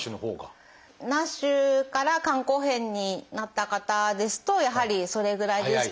ＮＡＳＨから肝硬変になった方ですとやはりそれぐらいでして。